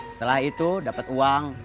setelah itu dapet uang